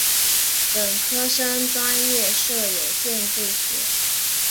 本科生专业设有建筑学。